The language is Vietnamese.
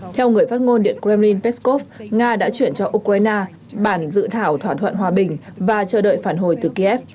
theo người phát ngôn điện kremlin peskov nga đã chuyển cho ukraine bản dự thảo thỏa thuận hòa bình và chờ đợi phản hồi từ kiev